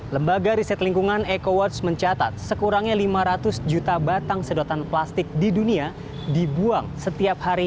lembaga riset lingkungan eco watch mencatat sekurangnya lima ratus juta batang sedotan plastik di dunia dibuang setiap hari